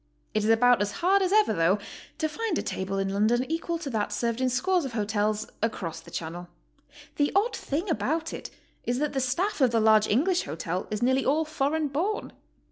It is about as hard as ever, though, to find a table in London equal to that served in scores of hotels across the Channel. The odd thing about it is that th'e staff of the large English hotel is nearly all foreign born.